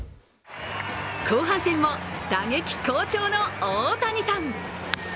後半戦も打撃好調の大谷さん。